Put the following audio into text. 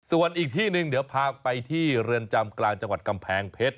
ส่วนอีกที่หนึ่งเดี๋ยวพาไปที่เรือนจำกลางจังหวัดกำแพงเพชร